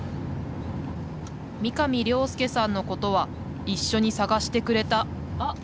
三上良介さんのことは一緒に捜してくれたあっ